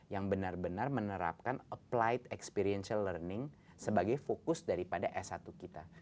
yang benar benar menerapkan apply experiential learning sebagai fokus daripada s satu kita